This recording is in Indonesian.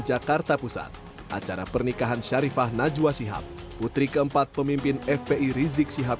jakarta pusat acara pernikahan syarifah najwa sihab putri keempat pemimpin fpi rizik sihab